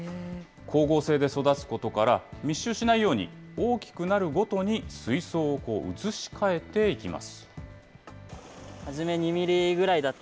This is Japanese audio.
光合成で育つことから、密集しないように、大きくなるごとに水槽を移し替えていきます。